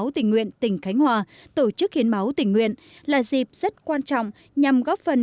tỉnh nguyện tỉnh khánh hòa tổ chức hiến máu tỉnh nguyện là dịp rất quan trọng nhằm góp phần